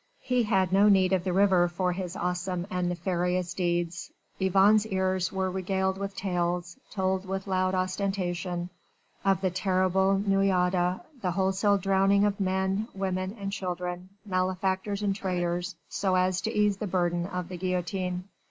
He had need of the river for his awesome and nefarious deeds. Yvonne's ears were regaled with tales told with loud ostentation of the terrible noyades, the wholesale drowning of men, women and children, malefactors and traitors, so as to ease the burden of the guillotine.